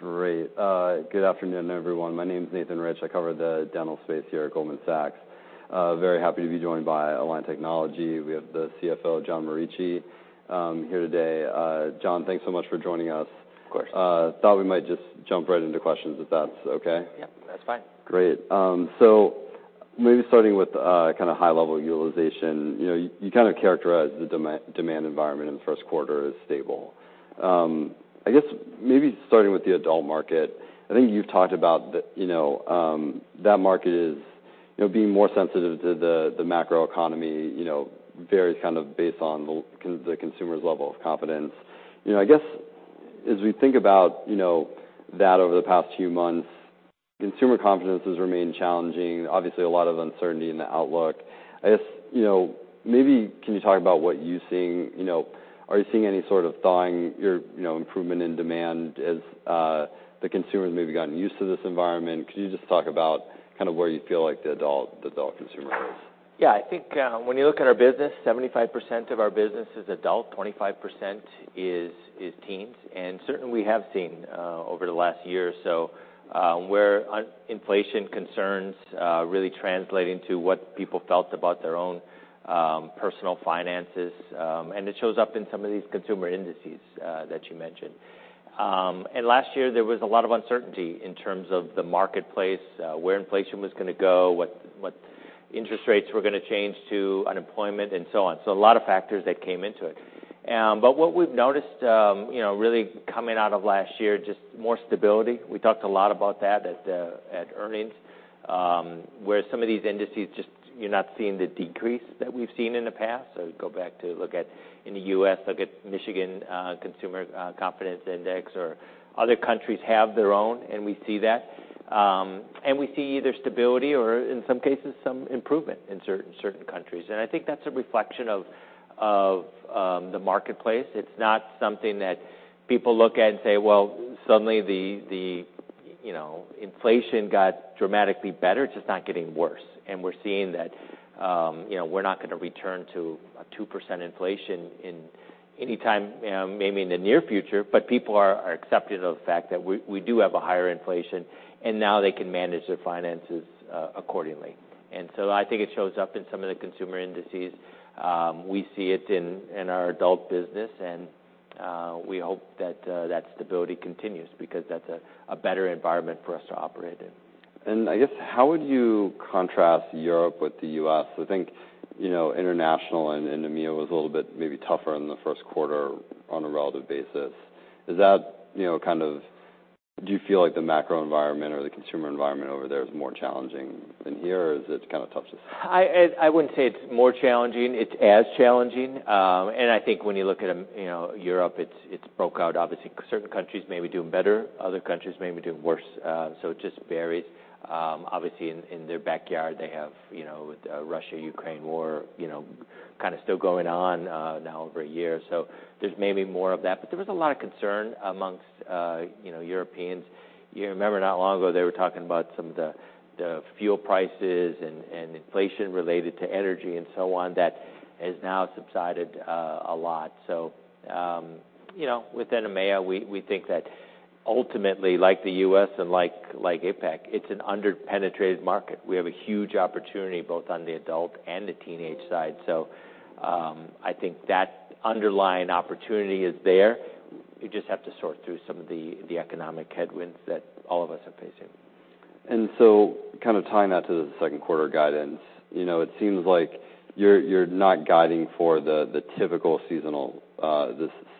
Great. good afternoon, everyone. My name is Nathan Rich. I cover the dental space here at Goldman Sachs. very happy to be joined by Align Technology. We have the CFO, John Morici, here today. John, thanks so much for joining us. Of course. Thought we might just jump right into questions, if that's okay. Yeah, that's fine. Great. Maybe starting with kind of high-level utilization, you know, you kind of characterized the demand environment in the first quarter as stable. I guess maybe starting with the adult market, I think you've talked about the, you know, that market is, you know, being more sensitive to the macroeconomy, you know, varies kind of based on the consumer's level of confidence. You know, I guess, as we think about, you know, that over the past few months, consumer confidence has remained challenging. Obviously, a lot of uncertainty in the outlook. I guess, you know, maybe can you talk about what you're seeing? You know, are you seeing any sort of thawing or, you know, improvement in demand as the consumers maybe gotten used to this environment? Could you just talk about kind of where you feel like the adult consumer is? Yeah, I think, when you look at our business, 75% of our business is adult, 25% is teens. Certainly, we have seen, over the last year or so, where inflation concerns really translating to what people felt about their own personal finances, and it shows up in some of these consumer indices that you mentioned. Last year, there was a lot of uncertainty in terms of the marketplace, where inflation was going to go, what interest rates were going to change to, unemployment, and so on. A lot of factors that came into it. What we've noticed, you know, really coming out of last year, just more stability. We talked a lot about that at earnings, where some of these indices, just you're not seeing the decrease that we've seen in the past. Go back to look at, in the U.S., look at Michigan Consumer Confidence Index, or other countries have their own, we see that. We see either stability or, in some cases, some improvement in certain countries. I think that's a reflection of the marketplace. It's not something that people look at and say, "Well, suddenly the, you know, inflation got dramatically better." It's just not getting worse, and we're seeing that, you know, we're not gonna return to a 2% inflation in any time, maybe in the near future, but people are accepting of the fact that we do have a higher inflation, and now they can manage their finances accordingly. I think it shows up in some of the consumer indices. We see it in our adult business, and we hope that stability continues because that's a better environment for us to operate in. I guess, how would you contrast Europe with the U.S.? I think, you know, international and EMEA was a little bit maybe tougher in the first quarter on a relative basis. Is that, you know, Do you feel like the macro environment or the consumer environment over there is more challenging than here, or is it kind of tough to say? I wouldn't say it's more challenging, it's as challenging. I think when you look at, you know, Europe, it's broke out. Obviously, certain countries may be doing better, other countries may be doing worse. It just varies. Obviously, in their backyard, they have, you know, Russia, Ukraine war, you know, kind of still going on, now over a year. There's maybe more of that. There was a lot of concern amongst, you know, Europeans. You remember, not long ago, they were talking about some of the fuel prices and inflation related to energy and so on, that has now subsided a lot. Within EMEA, we think that ultimately, like the U.S. and like APAC, it's an under-penetrated market. We have a huge opportunity both on the adult and the teenage side. I think that underlying opportunity is there. You just have to sort through some of the economic headwinds that all of us are facing. Kind of tying that to the second quarter guidance, you know, it seems like you're not guiding for the typical seasonal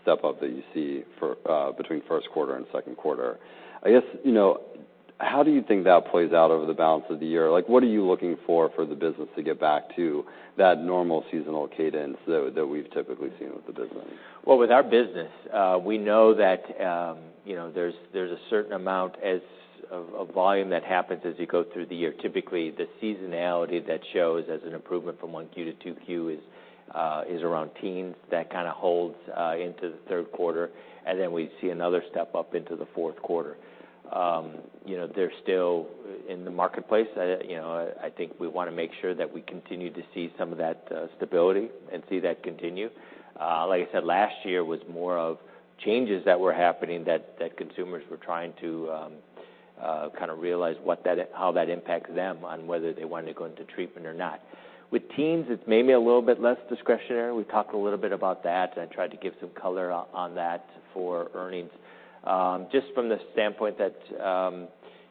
step up that you see for between first quarter and second quarter. I guess, you know, how do you think that plays out over the balance of the year? Like, what are you looking for for the business to get back to that normal seasonal cadence that we've typically seen with the business? Well, with our business, we know that, you know, there's a certain amount of volume that happens as you go through the year. Typically, the seasonality that shows as an improvement from 1Q-2Q is around teens. That kind of holds into the third quarter, and then we see another step up into the fourth quarter. You know, there's still, in the marketplace, you know, I think we wanna make sure that we continue to see some of that stability and see that continue. Like I said, last year was more of changes that were happening that consumers were trying to kind of realize how that impacts them on whether they wanted to go into treatment or not. With teens, it's maybe a little bit less discretionary. We talked a little bit about that, and I tried to give some color on that for earnings. Just from the standpoint that,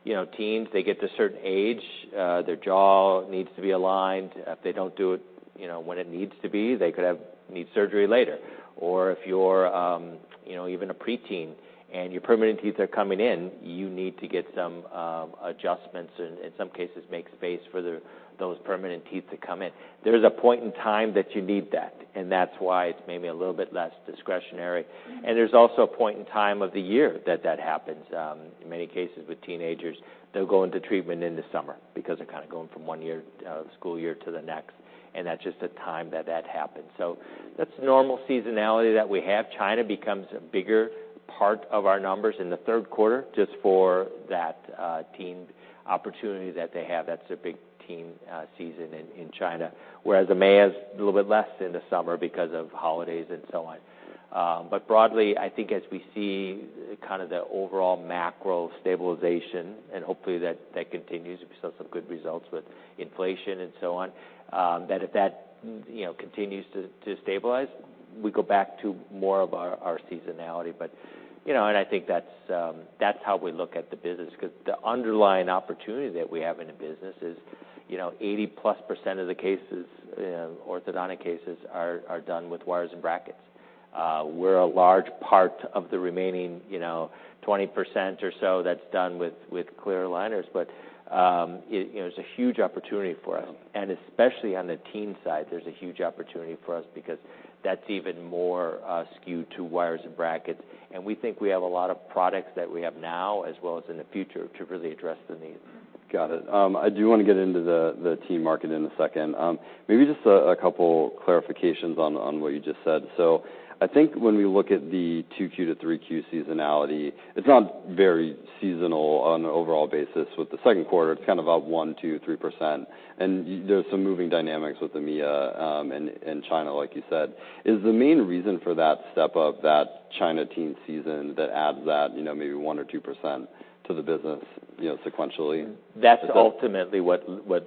you know, teens, they get to a certain age, their jaw needs to be aligned. If they don't do it, you know, when it needs to be, they could need surgery later. If you're, you know, even a preteen and your permanent teeth are coming in, you need to get some adjustments and, in some cases, make space for those permanent teeth to come in. There's a point in time that you need that, and that's why it's maybe a little bit less discretionary. There's also a point in time of the year that that happens. In many cases with teenagers, they'll go into treatment in the summer because they're kind of going from one year, school year to the next, and that's just the time that that happens. That's normal seasonality that we have. China becomes a bigger part of our numbers in the third quarter, just for that, teen opportunity that they have. That's a big teen season in China, whereas EMEA is a little bit less in the summer because of holidays and so on. Broadly, I think as we see kind of the overall macro stabilization, and hopefully that continues, we saw some good results with inflation and so on, that if that, you know, continues to stabilize, we go back to more of our seasonality. You know, and I think that's how we look at the business, because the underlying opportunity that we have in the business is, you know, 80+% of the cases, orthodontic cases are done with wires and brackets. We're a large part of the remaining, you know, 20% or so that's done with clear aligners. You know, there's a huge opportunity for us. Especially on the teen side, there's a huge opportunity for us because that's even more skewed to wires and brackets. We think we have a lot of products that we have now, as well as in the future, to really address the needs. Got it. I do want to get into the teen market in a second. Maybe just a couple clarifications on what you just said. I think when we look at the 2Q-3Q seasonality, it's not very seasonal on an overall basis. With the second quarter, it's kind of up 1%, 2%, 3%, and there's some moving dynamics with EMEA and China, like you said. Is the main reason for that step up, that China teen season that adds that, you know, maybe 1% or 2% to the business, you know, sequentially? That's ultimately what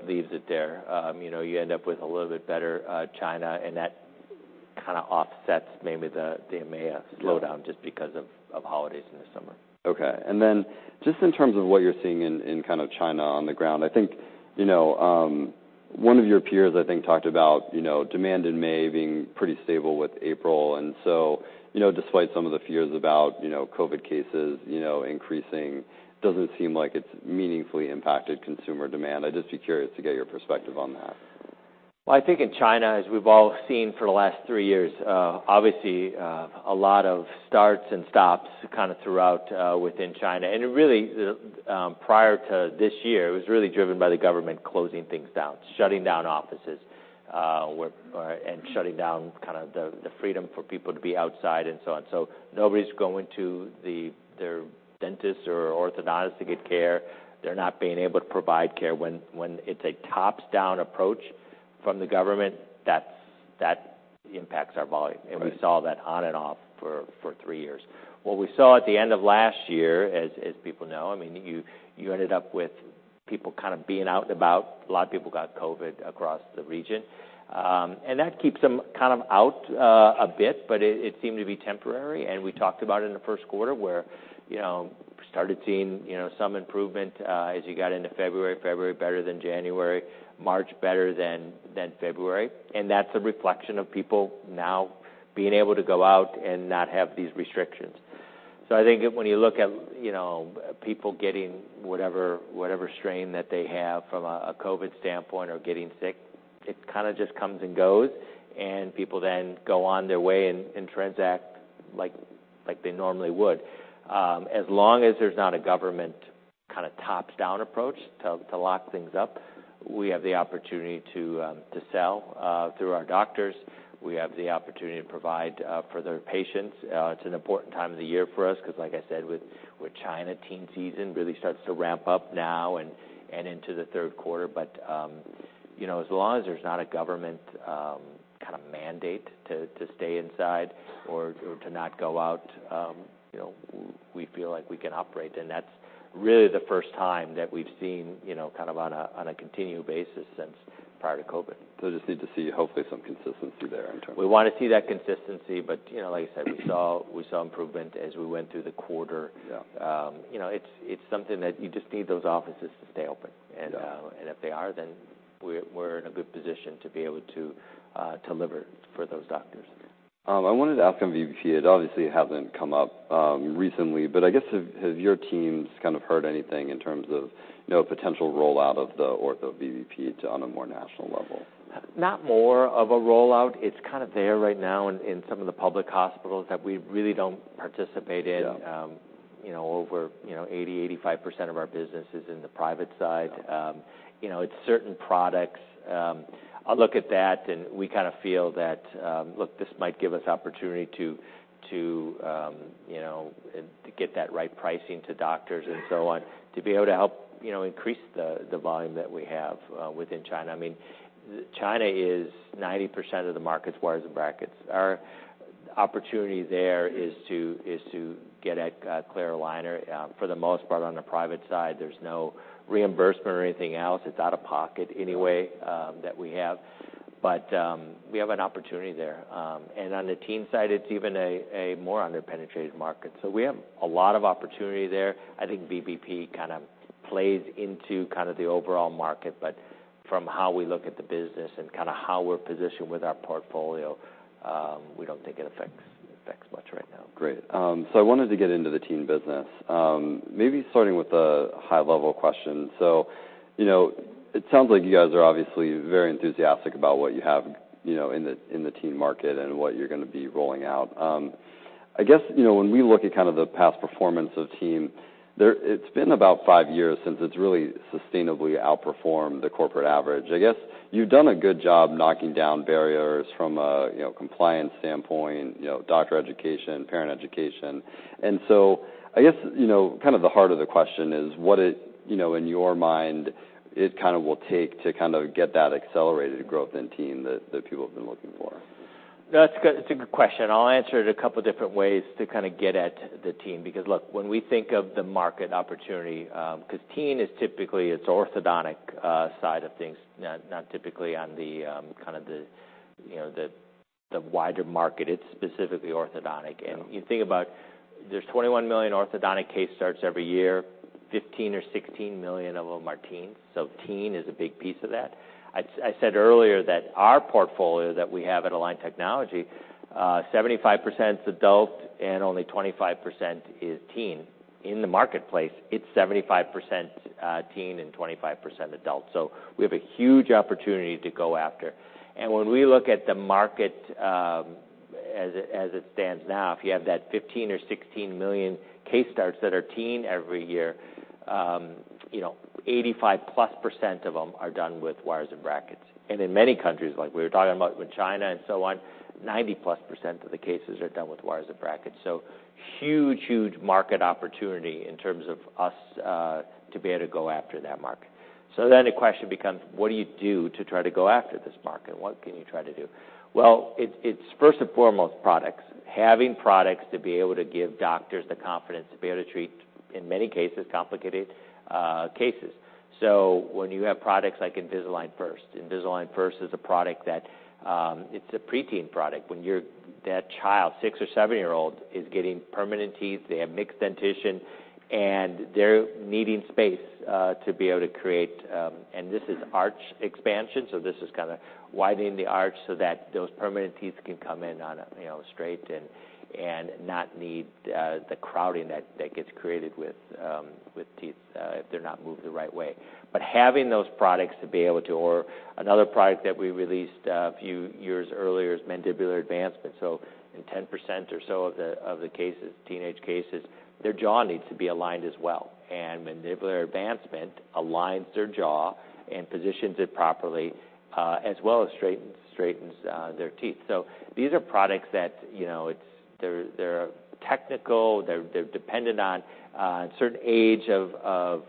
leaves it there. You know, you end up with a little bit better China, and that kind of offsets maybe the EMEA slowdown just because of holidays in the summer. Just in terms of what you're seeing in kind of China on the ground, I think, you know, one of your peers, I think, talked about, you know, demand in May being pretty stable with April. Despite some of the fears about, you know, COVID cases, you know, increasing, doesn't seem like it's meaningfully impacted consumer demand. I'd just be curious to get your perspective on that. Well, I think in China, as we've all seen for the last three years, obviously, a lot of starts and stops kind of throughout within China. It really, prior to this year, it was really driven by the government closing things down, shutting down offices, and shutting down kind of the freedom for people to be outside and so on. Nobody's going to their dentists or orthodontists to get care. They're not being able to provide care. When it's a tops-down approach from the government, that impacts our volume. We saw that on and off for three years. What we saw at the end of last year, as people know, I mean, you ended up with people kind of being out and about. A lot of people got COVID across the region. That keeps them kind of out a bit, but it seemed to be temporary. We talked about it in the first quarter, where, you know, we started seeing, you know, some improvement as you got into February. February better than January, March better than February. That's a reflection of people now being able to go out and not have these restrictions. I think when you look at, you know, people getting whatever strain that they have from a COVID standpoint or getting sick, it kind of just comes and goes, and people then go on their way and transact like they normally would. As long as there's not a government kind of top-down approach to lock things up, we have the opportunity to sell through our doctors. We have the opportunity to provide for their patients. It's an important time of the year for us, because, like I said, with China, teen season really starts to ramp up now and into the third quarter. You know, as long as there's not a government, kind of mandate to stay inside or to not go out, you know, we feel like we can operate, and that's really the first time that we've seen, you know, kind of on a, on a continued basis since prior to COVID. Just need to see, hopefully, some consistency there in terms of... We want to see that consistency, but, you know, like I said, we saw improvement as we went through the quarter. You know, it's something that you just need those offices to stay open. If they are, then we're in a good position to be able to deliver for those doctors. I wanted to ask on VBP. It obviously hasn't come up, recently, but I guess, have your teams kind of heard anything in terms of, you know, potential rollout of the ortho VBP on a more national level? Not more of a rollout. It's kind of there right now in some of the public hospitals that we really don't participate in. You know, over, you know, 80%, 85% of our business is in the private side. You know, it's certain products. I'll look at that, and we kind of feel that, look, this might give us opportunity to, you know, to get that right pricing to doctors and so on, to be able to help, you know, increase the volume that we have within China. I mean, China is 90% of the market's wires and brackets. Our opportunity there is to get a clear aligner. For the most part, on the private side, there's no reimbursement or anything else. It's out of pocket anyway, that we have. We have an opportunity there. On the teen side, it's even a more underpenetrated market. We have a lot of opportunity there. I think VBP kind of plays into kind of the overall market. From how we look at the business and kind of how we're positioned with our portfolio, we don't think it affects much right now. Great. I wanted to get into the teen business, maybe starting with a high-level question. You know, it sounds like you guys are obviously very enthusiastic about what you have, you know, in the teen market and what you're gonna be rolling out. I guess, you know, when we look at kind of the past performance of teen, it's been about five years since it's really sustainably outperformed the corporate average. I guess you've done a good job knocking down barriers from a, you know, compliance standpoint, you know, doctor education, parent education. I guess, you know, kind of the heart of the question is: What it, you know, in your mind, it kind of will take to kind of get that accelerated growth in teen that people have been looking for? That's good. It's a good question. I'll answer it a couple different ways to kind of get at the teen, because, look, when we think of the market opportunity, because teen is typically, it's orthodontic side of things, not typically on the, you know, the wider market. It's specifically orthodontic. You think about there's 21 million orthodontic case starts every year, 15 or 16 million of them are teens. Teen is a big piece of that. I said earlier that our portfolio that we have at Align Technology, 75% is adult and only 25% is teen. In the marketplace, it's 75% teen and 25% adult. We have a huge opportunity to go after. When we look at the market, as it stands now, if you have that 15 or 16 million case starts that are teen every year, you know, 85+% of them are done with wires and brackets. In many countries, like we were talking about with China and so on, 90+% of the cases are done with wires and brackets. Huge, huge market opportunity in terms of us to be able to go after that market. The question becomes, what do you do to try to go after this market? What can you try to do? Well, it's first and foremost, products. Having products to be able to give doctors the confidence to be able to treat, in many cases, complicated cases. When you have products like Invisalign First, Invisalign First is a product that it's a preteen product. When that child, six or seven year old, is getting permanent teeth, they have mixed dentition, and they're needing space to be able to create. This is arch expansion, so this is kind of widening the arch so that those permanent teeth can come in on a, you know, straight and not need the crowding that gets created with teeth if they're not moved the right way. Having those products. Another product that we released a few years earlier is Mandibular Advancement. In 10% or so of the cases, teenage cases, their jaw needs to be aligned as well, and Mandibular Advancement aligns their jaw and positions it properly, as well as straightens their teeth. These are products that, you know, they're technical, they're dependent on certain age of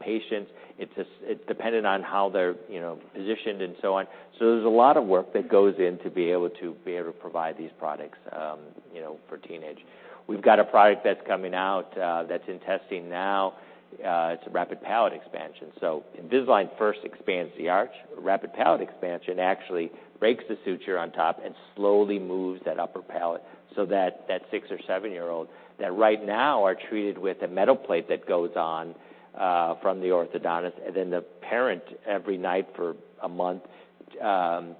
patients. It's dependent on how they're, you know, positioned and so on. There's a lot of work that goes in to be able to provide these products, you know, for teenage. We've got a product that's coming out, that's in testing now, it's a Rapid Palatal Expander. Invisalign First expands the arch. Rapid Palate Expansion actually breaks the suture on top and slowly moves that upper palate, so that six or seven year old, that right now are treated with a metal plate that goes on from the orthodontist, and then the parent, every night for a month, kind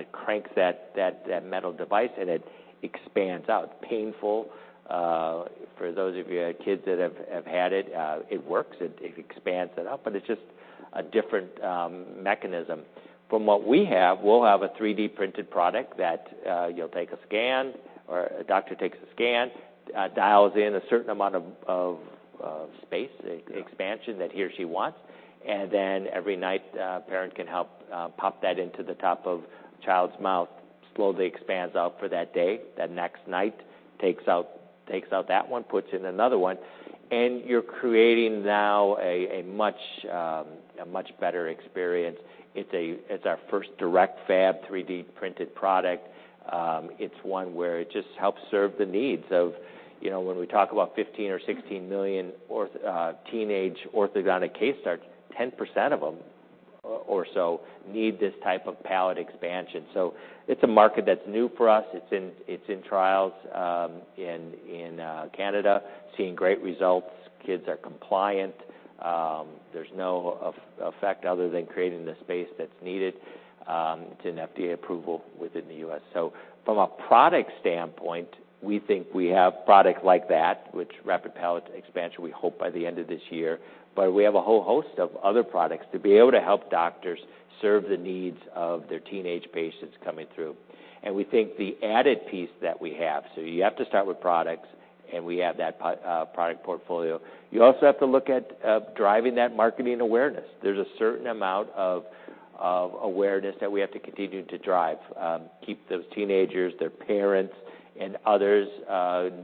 of cranks that metal device and it expands out. It's painful, for those of you who have kids that have had it works, it expands it up, but it's just a different mechanism. From what we have, we'll have a 3D printed product that you'll take a scan, or a doctor takes a scan, dials in a certain amount of space, expansion that he or she wants, and then every night, the parent can help pop that into the top of the child's mouth, slowly expands out for that day. The next night, takes out that one, puts in another one, and you're creating now a much, a much better experience. It's our first direct fab 3D printed product. It's one where it just helps serve the needs of, you know, when we talk about 15 or 16 million teenage orthodontic case starts, 10% of them or so need this type of palate expansion. It's a market that's new for us. It's in trials in Canada, seeing great results. Kids are compliant, there's no effect other than creating the space that's needed to an FDA approval within the U.S. From a product standpoint, we think we have product like that, which Rapid Palate Expansion, we hope by the end of this year. We have a whole host of other products to be able to help doctors serve the needs of their teenage patients coming through. We think the added piece that we have, you have to start with products, and we have that product portfolio. You also have to look at driving that marketing awareness. There's a certain amount of awareness that we have to continue to drive, keep those teenagers, their parents, and others,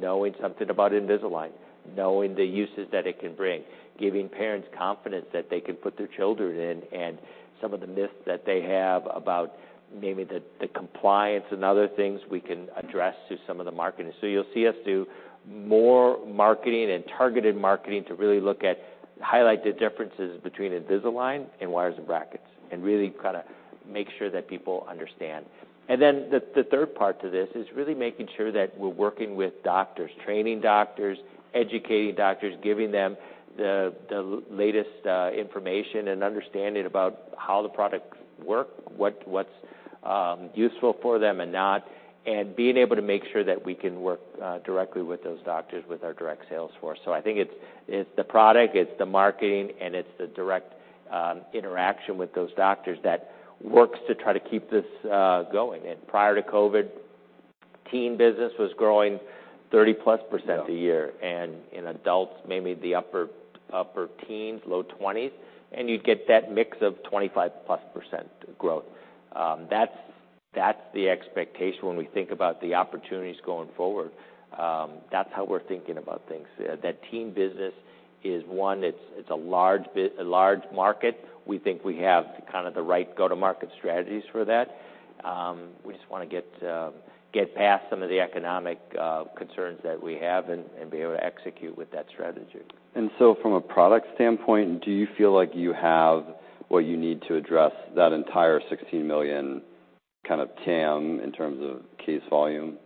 knowing something about Invisalign, knowing the uses that it can bring, giving parents confidence that they can put their children in, and some of the myths that they have about maybe the compliance and other things we can address through some of the marketing. You'll see us do more marketing and targeted marketing to really look at, highlight the differences between Invisalign and wires and brackets, and really kind of make sure that people understand. The third part to this is really making sure that we're working with doctors, training doctors, educating doctors, giving them the latest information and understanding about how the products work, what's useful for them and not, and being able to make sure that we can work directly with those doctors with our direct sales force. I think it's the product, it's the marketing, and it's the direct interaction with those doctors that works to try to keep this going. Prior to COVID, teen business was growing 30+% a year, and in adults, maybe the upper teens, low 20s, and you'd get that mix of 25+% growth. That's the expectation when we think about the opportunities going forward. That's how we're thinking about things. That teen business is one, it's a large market. We think we have kind of the right go-to-market strategies for that. We just want to get past some of the economic concerns that we have and be able to execute with that strategy. From a product standpoint, do you feel like you have what you need to address that entire 16 million kind of TAM in terms of case volume?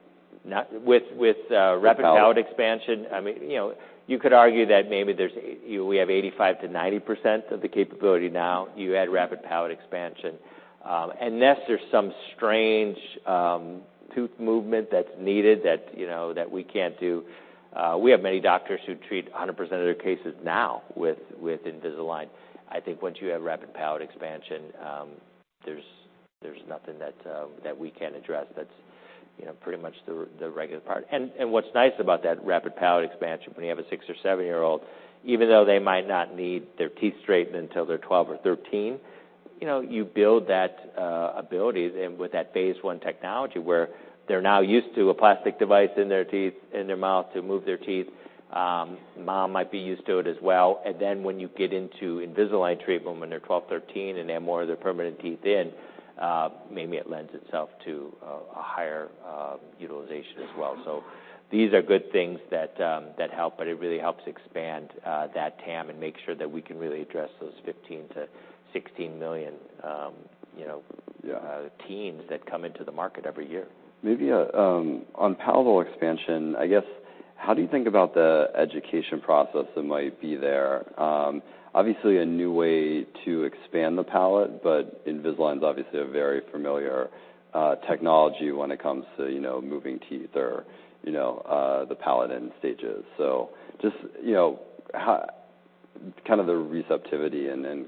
With Rapid Palate Expansion? I mean, you know, you could argue that maybe we have 85%-90% of the capability now. You add Rapid Palate Expansion, unless there's some strange tooth movement that's needed that, you know, that we can't do, we have many doctors who treat 100% of their cases now with Invisalign. I think once you have Rapid Palate Expansion, there's nothing that we can't address that's, you know, pretty much the regular part. What's nice about that Rapid Palate Expansion, when you have a six or seven year old, even though they might not need their teeth straightened until they're 12 or 13, you know, you build that ability then with that phase one technology, where they're now used to a plastic device in their teeth, in their mouth to move their teeth. Mom might be used to it as well, and then when you get into Invisalign treatment, when they're 12, 13, and they have more of their permanent teeth in, maybe it lends itself to a higher utilization as well. These are good things that help, but it really helps expand that TAM and make sure that we can really address those 15 million-16 million, you know, teens that come into the market every year. Maybe on palatal expansion, I guess, how do you think about the education process that might be there? Obviously a new way to expand the palate, but Invisalign is obviously a very familiar technology when it comes to, you know, moving teeth or, you know, the palate in stages. Just, you know, how kind of the receptivity, and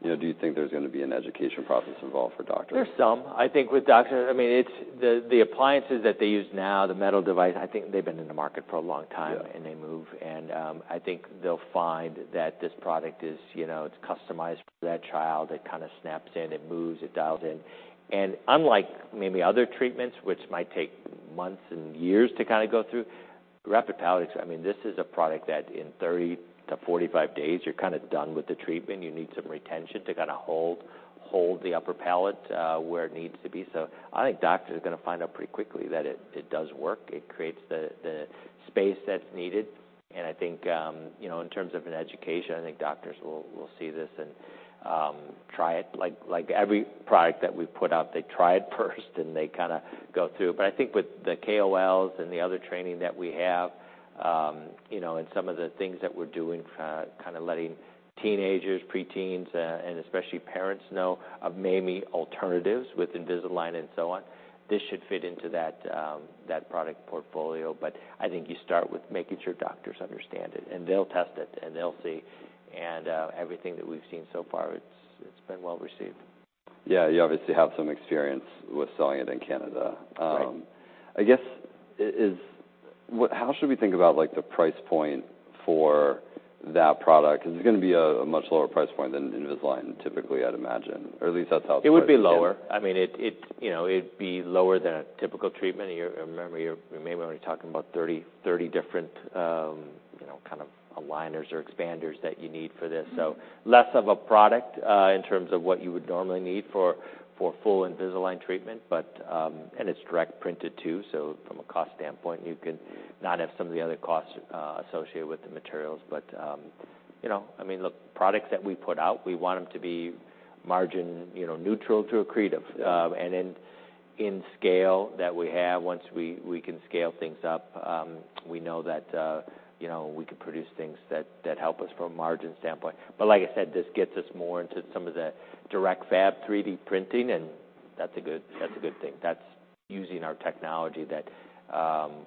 then, you know, do you think there's going to be an education process involved for doctors? There's some. I think with doctors, I mean, it's the appliances that they use now, the metal device, I think they've been in the market for a long time and they move, and I think they'll find that this product is, you know, it's customized for that child. It kind of snaps in, it moves, it dials in. Unlike maybe other treatments, which might take months and years to kind of go through, rapid palates, I mean, this is a product that in 30-45 days, you're kind of done with the treatment. You need some retention to kind of hold the upper palate where it needs to be. I think doctors are going to find out pretty quickly that it does work. It creates the space that's needed, and I think, you know, in terms of an education, I think doctors will see this and try it. Like every product that we put out, they try it first and they kind of go through. I think with the KOLs and the other training that we have, you know, and some of the things that we're doing, kind of letting teenagers, preteens, and especially parents know of maybe alternatives with Invisalign and so on, this should fit into that product portfolio. I think you start with making sure doctors understand it, and they'll test it, and they'll see. Everything that we've seen so far, it's been well received. Yeah, you obviously have some experience with selling it in Canada. I guess, how should we think about, like, the price point for that product? Is it going to be a much lower price point than Invisalign, typically, I'd imagine, or at least that's how. It would be lower. I mean, it, you know, it'd be lower than a typical treatment. You remember, you're maybe only talking about 30 different, you know, kind of aligners or expanders that you need for this. Less of a product, in terms of what you would normally need for full Invisalign treatment, but, and it's direct printed, too. From a cost standpoint, you could not have some of the other costs associated with the materials. You know, I mean, look, products that we put out, we want them to be margin, you know, neutral to accretive. In scale that we have, once we can scale things up, we know that, you know, we can produce things that help us from a margin standpoint. Like I said, this gets us more into some of the direct fab 3D printing, and that's a good thing. That's using our technology that,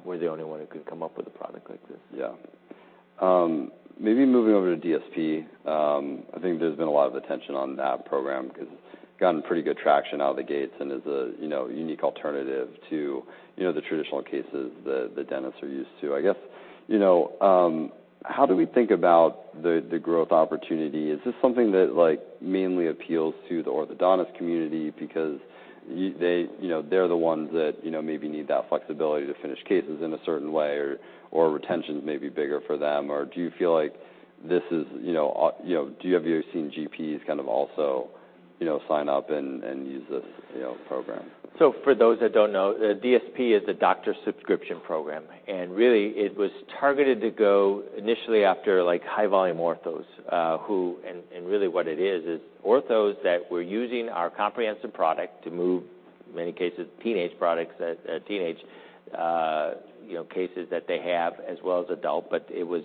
we're the only one who could come up with a product like this. Yeah. Maybe moving over to DSP, I think there's been a lot of attention on that program because it's gotten pretty good traction out of the gates and is a, you know, unique alternative to, you know, the traditional cases that the dentists are used to. I guess, you know, how do we think about the growth opportunity? Is this something that, like, mainly appeals to the orthodontist community because they, you know, they're the ones that, you know, maybe need that flexibility to finish cases in a certain way or retention is maybe bigger for them. Do you feel like this is, you know, Do you, have you seen GPs kind of also, you know, sign up and use this, you know, program? For those that don't know, the DSP is a Doctor Subscription Program, really, it was targeted to go initially after, like, high-volume orthos. Really what it is orthos that were using our comprehensive product to move, many cases, teenage products, teenage, you know, cases that they have, as well as adult, but it was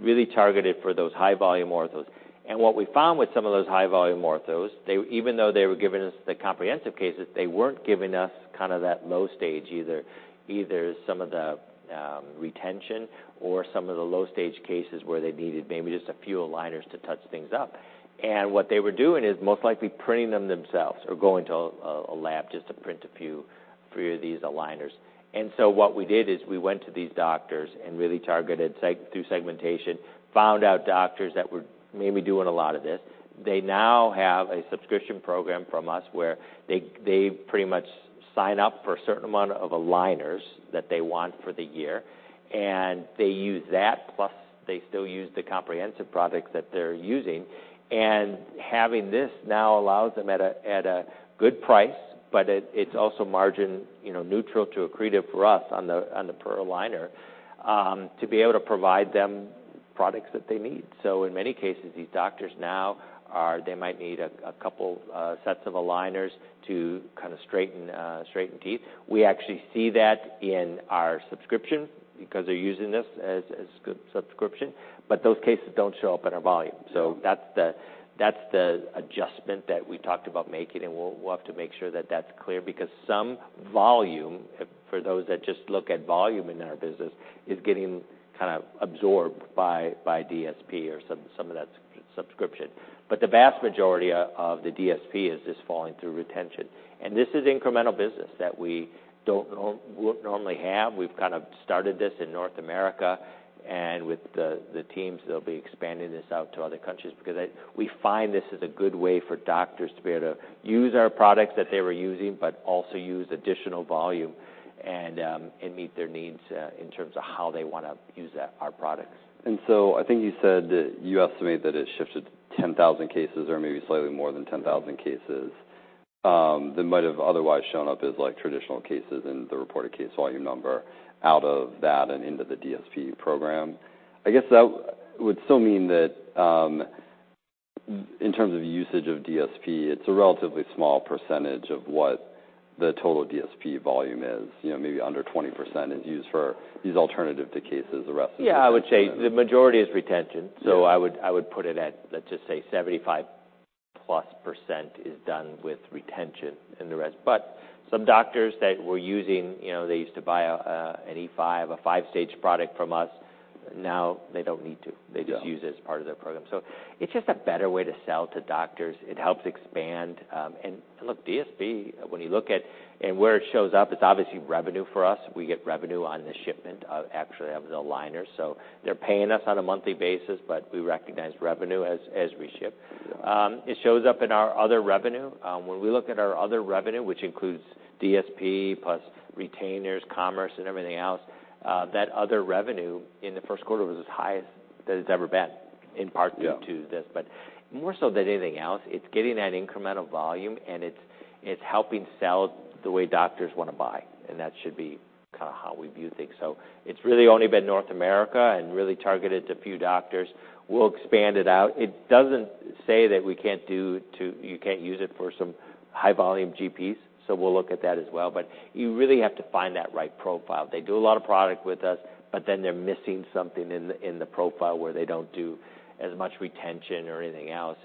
really targeted for those high-volume orthos. What we found with some of those high-volume orthos, they, even though they were giving us the comprehensive cases, they weren't giving us kind of that low stage, either some of the retention or some of the low stage cases where they needed maybe just a few aligners to touch things up. What they were doing is most likely printing them themselves or going to a lab just to print a few, three of these aligners. What we did is we went to these doctors and really targeted through segmentation, found out doctors that were maybe doing a lot of this. They now have a subscription program from us, where they pretty much sign up for a certain amount of aligners that they want for the year, and they use that, plus they still use the comprehensive product that they're using. Having this now allows them at a good price, but it's also margin, you know, neutral to accretive for us on the, on the per aligner, to be able to provide them products that they need. In many cases, these doctors now are, they might need a couple sets of aligners to kind of straighten teeth. We actually see that in our subscription, because they're using this as good subscription, but those cases don't show up in our volume. That's the adjustment that we talked about making, and we'll have to make sure that that's clear, because some volume, for those that just look at volume in our business, is getting kind of absorbed by DSP or some of that subscription. The vast majority of the DSP is just falling through retention. This is incremental business that we wouldn't normally have. We've kind of started this in North America, and with the teams, they'll be expanding this out to other countries. We find this is a good way for doctors to be able to use our products that they were using, but also use additional volume and meet their needs in terms of how they wanna use our products. I think you said that you estimate that it shifted 10,000 cases or maybe slightly more than 10,000 cases that might have otherwise shown up as, like, traditional cases in the reported case volume number out of that and into the DSP program. I guess that would still mean that in terms of usage of DSP, it's a relatively small percentage of what the total DSP volume is, you know, maybe under 20% is used for these alternative to cases. The rest is. Yeah, I would say the majority is retention. I would put it at, let's just say, 75%+ is done with retention and the rest. Some doctors that were using, you know, they used to buy an E5, a 5-stage product from us. Now, they don't need to. They just use it as part of their program. It's just a better way to sell to doctors. It helps expand. And look, DSP, where it shows up, it's obviously revenue for us. We get revenue on the shipment of, actually, of the aligners, so they're paying us on a monthly basis, but we recognize revenue as we ship. It shows up in our other revenue. When we look at our other revenue, which includes DSP plus retainers, commerce, and everything else, that other revenue in the first quarter was as high as that it's ever been. More so than anything else, it's getting that incremental volume, and it's helping sell the way doctors wanna buy, and that should be kind of how we view things. It's really only been North America and really targeted to a few doctors. We'll expand it out. It doesn't say that you can't use it for some high-volume GPs, so we'll look at that as well. You really have to find that right profile. They do a lot of product with us, but then they're missing something in the, in the profile where they don't do as much retention or anything else.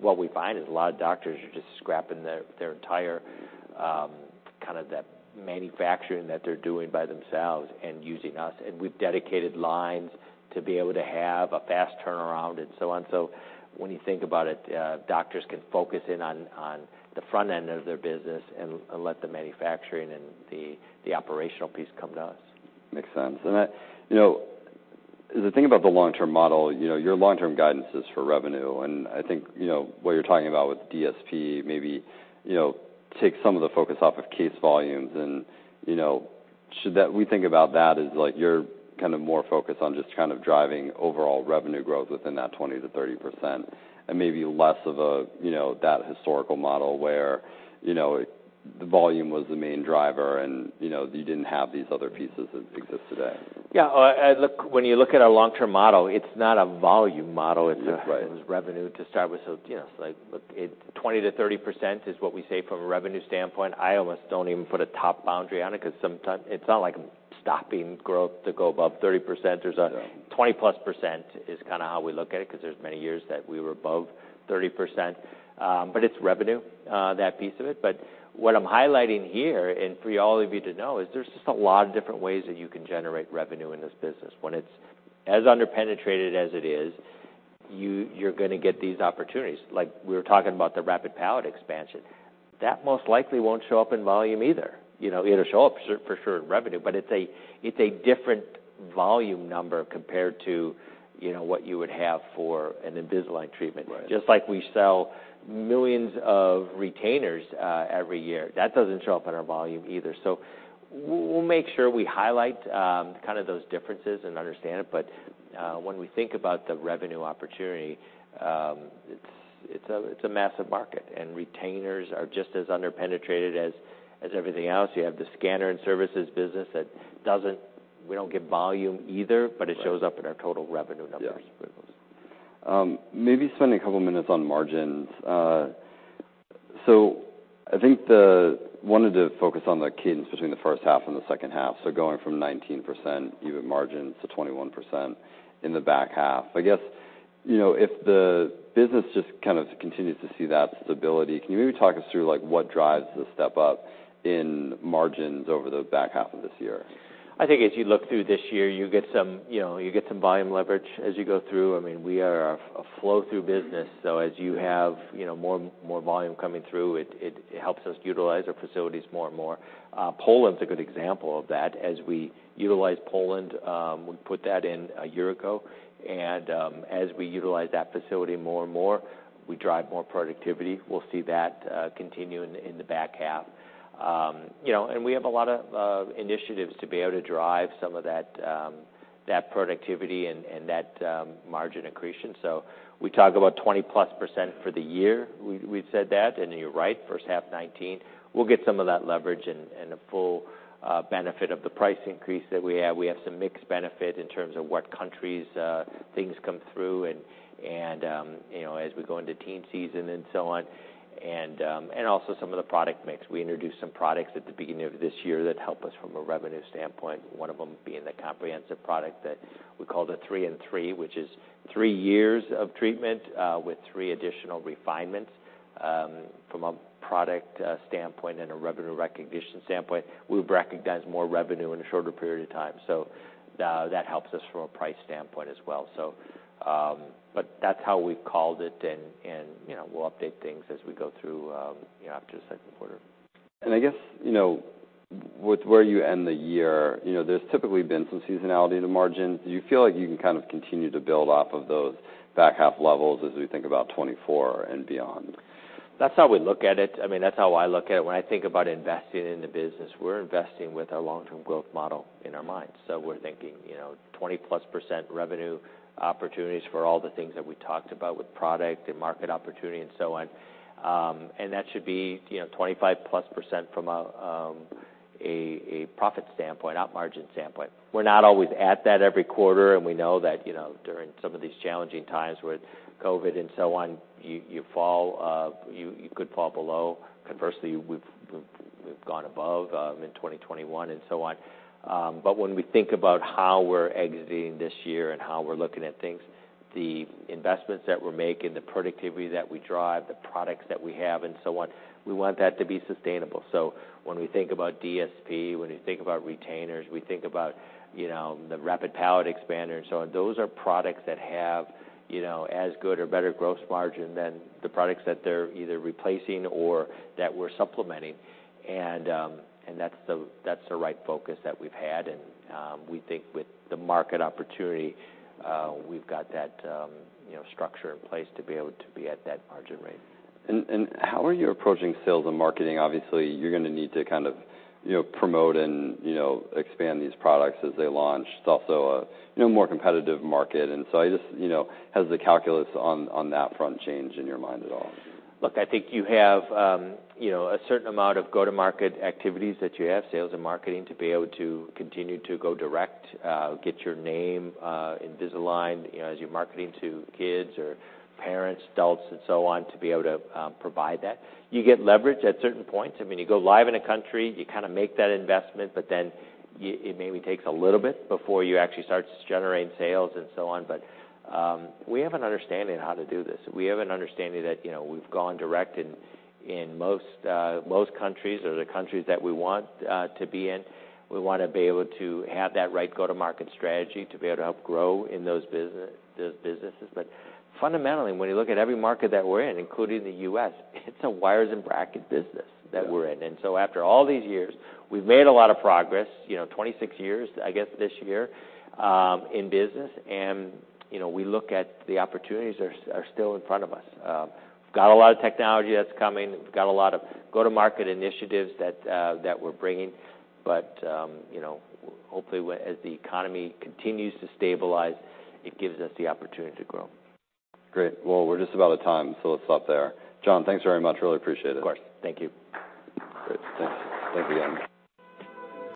What we find is a lot of doctors are just scrapping their entire kind of that manufacturing that they're doing by themselves and using us. We've dedicated lines to be able to have a fast turnaround and so on. When you think about it, doctors can focus in on the front end of their business and let the manufacturing and the operational piece come to us. Makes sense. You know, the thing about the long-term model, you know, your long-term guidance is for revenue, and I think, you know, what you're talking about with DSP, maybe, you know, take some of the focus off of case volumes. You know, we think about that as, like, you're kind of more focused on just kind of driving overall revenue growth within that 20%-30%, and maybe less of a, you know, that historical model where, you know, the volume was the main driver and, you know, you didn't have these other pieces that exist today. Yeah, look, when you look at our long-term model, it's not a volume model. It was revenue to start with. Yes, like, 20%- 30% is what we say from a revenue standpoint. I almost don't even put a top boundary on it, 'cause sometimes. It's not like I'm stopping growth to go above 30%. 20%+ is kind of how we look at it, 'cause there's many years that we were above 30%. It's revenue, that piece of it. What I'm highlighting here, and for all of you to know, is there's just a lot of different ways that you can generate revenue in this business. When it's as under-penetrated as it is, you're gonna get these opportunities. Like, we were talking about the rapid palatal expansion. That most likely won't show up in volume either. You know, it'll show up for sure in revenue, but it's a different volume number compared to, you know, what you would have for an Invisalign treatment. Just like we sell millions of retainers every year, that doesn't show up in our volume either. We'll make sure we highlight kind of those differences and understand it, but when we think about the revenue opportunity, it's a massive market, and retainers are just as under-penetrated as everything else. You have the scanner and services business that we don't get volume either, but it shows up in our total revenue numbers. Yeah. Maybe spend a couple of minutes on margins. I think I wanted to focus on the cadence between the first half and the second half, going from 19% EBIT margin to 21% in the back half. I guess, you know, if the business just kind of continues to see that stability, can you maybe talk us through, like, what drives the step-up in margins over the back half of this year? I think as you look through this year, you get some, you know, you get some volume leverage as you go through. I mean, we are a flow-through business, so as you have, you know, more volume coming through, it helps us utilize our facilities more and more. Poland is a good example of that. As we utilize Poland, we put that in a year ago, and as we utilize that facility more and more, We drive more productivity, we'll see that continue in the back half. you know, and we have a lot of initiatives to be able to drive some of that productivity and that margin accretion. We talk about 20%+ for the year. We've said that, you're right, first half 2019, we'll get some of that leverage and a full benefit of the price increase that we have. We have some mixed benefit in terms of what countries things come through and, you know, as we go into teen season and so on, and also some of the product mix. We introduced some products at the beginning of this year that help us from a revenue standpoint, one of them being the comprehensive product that we called the 3-in-3, which is three years of treatment with three additional refinements. From a product standpoint and a revenue recognition standpoint, we've recognized more revenue in a shorter period of time, that helps us from a price standpoint as well. That's how we've called it, and, you know, we'll update things as we go through, you know, after the second quarter. I guess, you know, with where you end the year, you know, there's typically been some seasonality in the margin. Do you feel like you can kind of continue to build off of those back half levels as we think about 2024 and beyond? That's how we look at it. I mean, that's how I look at it. When I think about investing in the business, we're investing with our long-term growth model in our minds. We're thinking, you know, 20%+ revenue opportunities for all the things that we talked about with product and market opportunity and so on. That should be, you know, 25%+ from a profit standpoint, not margin standpoint. We're not always at that every quarter, and we know that, you know, during some of these challenging times with COVID and so on, you fall, you could fall below. Conversely, we've gone above, in 2021 and so on. When we think about how we're exiting this year and how we're looking at things, the investments that we're making, the productivity that we drive, the products that we have, and so on, we want that to be sustainable. When we think about DSP, when we think about retainers, we think about, you know, the Rapid Palate Expander and so on, those are products that have, you know, as good or better gross margin than the products that they're either replacing or that we're supplementing. That's the right focus that we've had, and we think with the market opportunity, we've got that, you know, structure in place to be able to be at that margin rate. How are you approaching sales and marketing? Obviously, you're gonna need to kind of, you know, promote and, you know, expand these products as they launch. It's also a, you know, more competitive market, and so I just, you know. Has the calculus on that front changed in your mind at all? Look, I think you have, you know, a certain amount of go-to-market activities that you have, sales and marketing, to be able to continue to go direct, get your name, Invisalign, you know, as you're marketing to kids or parents, adults, and so on, to be able to provide that. You get leverage at certain points. I mean, you go live in a country, you kinda make that investment, but then it maybe takes a little bit before you actually start to generate sales and so on. We have an understanding of how to do this. We have an understanding that, you know, we've gone direct in most countries or the countries that we want to be in. We want to be able to have that right go-to-market strategy to be able to help grow in those businesses. Fundamentally, when you look at every market that we're in, including the U.S., it's a wires and brackets business that we're in. After all these years, we've made a lot of progress, you know, 26 years, I guess, this year, in business, and, you know, we look at the opportunities are still in front of us. We've got a lot of technology that's coming, we've got a lot of go-to-market initiatives that we're bringing, but, you know, hopefully, as the economy continues to stabilize, it gives us the opportunity to grow. Great. Well, we're just about out of time. Let's stop there. John, thanks very much. Really appreciate it. Of course. Thank you. Great. Thanks again.